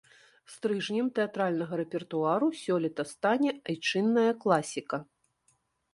Стрыжнем тэатральнага рэпертуару сёлета стане айчынная класіка.